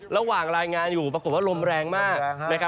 ระหว่างรายงานอยู่ปรากฏว่าลมแรงมาก